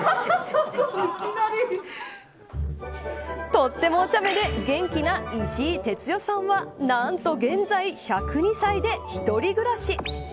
とってもおちゃめで元気な石井哲代さんは何と現在１０２歳で一人暮らし。